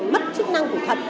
mất chức năng của thận